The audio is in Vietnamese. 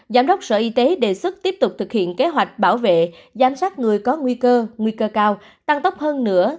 giám đốc sở y tế đề xuất tiếp tục thực hiện kế hoạch bảo vệ giám sát người có nguy cơ nguy cơ cao tăng tốc hơn nữa